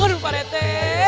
aduh pak rete